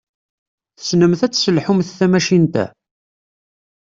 Tessnemt ad tesselḥumt tamacint-a?